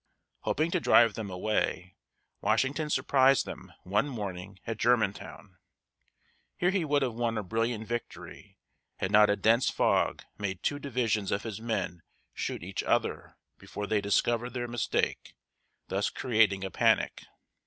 Hoping to drive them away, Washington surprised them, one morning, at Germantown. Here he would have won a brilliant victory, had not a dense fog made two divisions of his men shoot each other before they discovered their mistake, thus creating a panic.